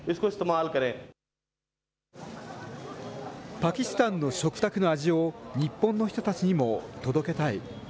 パキスタンの食卓の味を日本の人たちにも届けたい。